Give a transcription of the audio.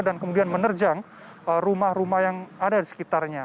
dan kemudian menerjang rumah rumah yang ada di sekitarnya